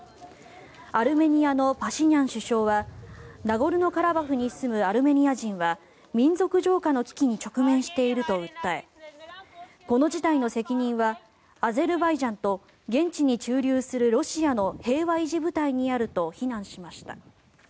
アルメニアのパシニャン首相はナゴルノカラバフに住むアルメニア人は民族浄化の危機に直面していると訴えこの事態の責任はアゼルバイジャンと現地に駐留するロシアの平和維持部隊にあると非難しました。